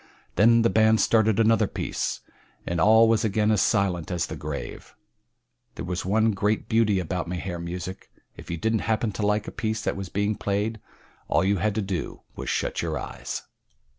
Then the band started another piece, and all was again as silent as the grave. That was one great beauty about Mahar music if you didn't happen to like a piece that was being played all you had to do was shut your eyes.